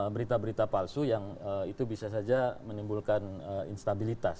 berita berita palsu yang itu bisa saja menimbulkan instabilitas